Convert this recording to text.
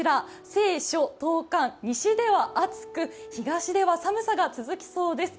西では暑く東出は寒さが続きそうです。